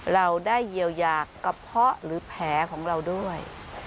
เราได้เยียวยากระเพาะหรือแผลของเราด้วย